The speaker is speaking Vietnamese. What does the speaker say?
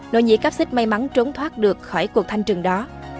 nỗ nhĩ cáp xích may mắn trốn thoát được khỏi cuộc thanh trừng đó